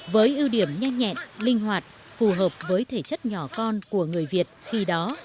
với ưu điểm nhanh nhẹn linh hoạt phù hợp với thể chất nhỏ con của người việt khi đó